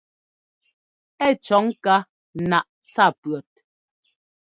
Ɛ́ cɔ̌ ŋká naꞌ tsa pʉ̈ɔt.